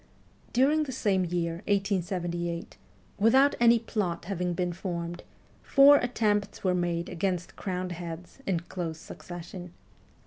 During the same year, 1878, without any plot having been formed, four attempts were made against crowned heads in close succession.